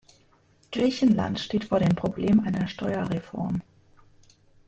Griechenland steht vor dem Problem einer Steuerreform.